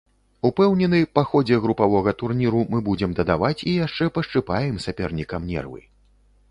Упэўнены, па ходзе групавога турніру мы будзем дадаваць і яшчэ пашчыпаем сапернікам нервы.